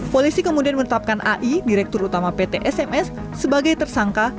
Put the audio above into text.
polisi kemudian menetapkan ai direktur utama ptsms sebagai tersangka